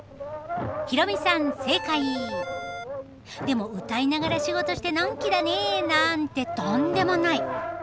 ヒロミさん正解！でも歌いながら仕事してのんきだねなんてとんでもない。